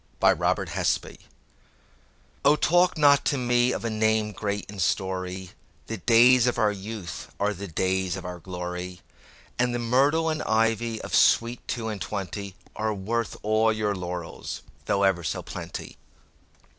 All for Love O TALK not to me of a name great in story; The days of our youth are the days of our glory; And the myrtle and ivy of sweet two and twentyAre worth all your laurels, though ever so plenty.